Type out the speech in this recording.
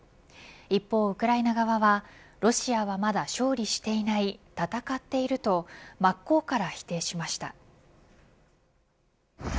一方、ウクライナ側はロシアはまだ勝利していない、戦っていると真っ向から否定しました。